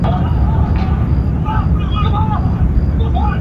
圆叶平灰藓为柳叶藓科平灰藓属下的一个种。